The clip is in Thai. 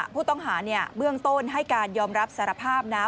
ผู้ต้องหาเบื้องต้นให้การยอมรับสารภาพนะ